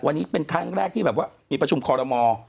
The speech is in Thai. วันนี้เป็นครั้งแรกที่แบบว่ามีประชุมคอรมอ